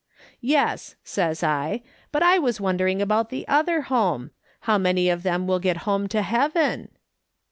"' Yes,' says I, ' but I was wondering about the other home. How many of them will get home to heaven